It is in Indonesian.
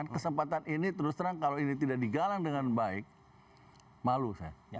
kesempatan ini terus terang kalau ini tidak digalang dengan baik malu saya